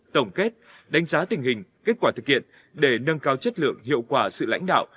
tổng kết đánh giá tình hình kết quả thực hiện để nâng cao chất lượng hiệu quả sự lãnh đạo